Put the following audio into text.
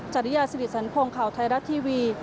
จริยาสิริสันพงศ์ข่าวไทยรัฐทีวี